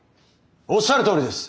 おっしゃるとおりです！